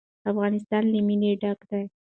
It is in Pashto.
افغانستان له منی ډک دی.